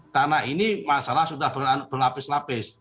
karena ini masalah sudah berlapis lapis